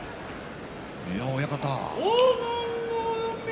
親方。